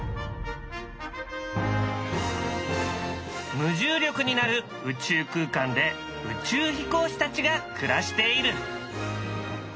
無重力になる宇宙空間で宇宙飛行士たちが暮らしている。